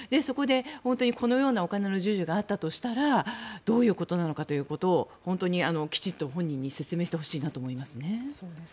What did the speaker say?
本当にこのようなお金の授受があったとしたらどういうことなのかというのを本当にきちんと本人に説明してほしいなと思います。